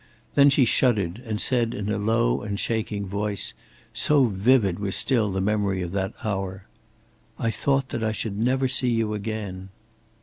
Then she shuddered and said in a low and shaking voice so vivid was still the memory of that hour: "I thought that I should never see you again."